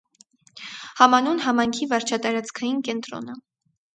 Համանուն համայնքի վարչատարածքային կենտրոնը։